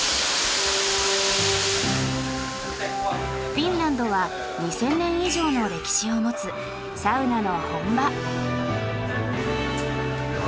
フィンランドは２，０００年以上の歴史を持つサウナの本場。